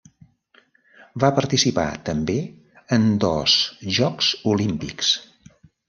Va participar també en dos Jocs Olímpics.